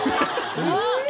うわっ！